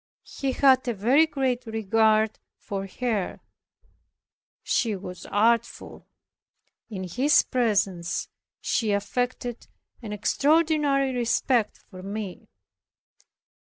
He had a very great regard for her. She was artful; in his presence she affected an extraordinary respect for me.